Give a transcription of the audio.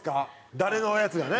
誰のやつがね。